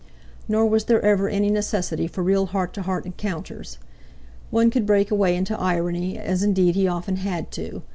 Nor was there ever any necessity for real heart to heart encounters. One could break away into irony—as indeed he often had to.